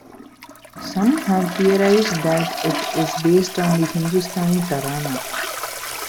Some have theorized that it is based on the Hindustani tarana.